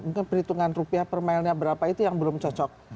mungkin perhitungan rupiah per mile nya berapa itu yang belum cocok